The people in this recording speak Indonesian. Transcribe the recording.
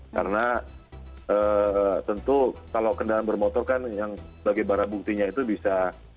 karena tentu kalau kendaraan bermotor kan yang sebagai barang buktinya itu bisa